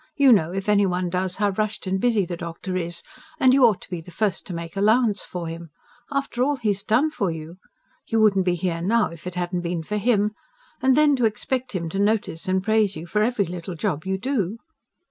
YOU know, if any one does, how rushed and busy the doctor is, and you ought to be the first to make allowance for him after all he's done for you. You wouldn't be here now, if it hadn't been for him. And then to expect him to notice and praise you for every little job you do!"